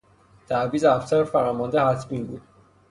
تعویض افسر فرمانده حتمی بود.